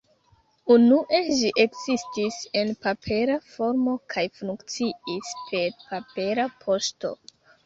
Unue ĝi ekzistis en papera formo kaj funkciis per papera poŝto.